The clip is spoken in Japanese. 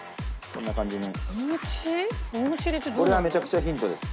これはめちゃくちゃヒントです。